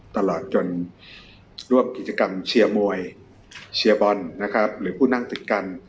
ตลอดจนร่วมกิจกรรมเชียร์มวยเชียร์บอลนะครับหรือผู้นั่งติดกัน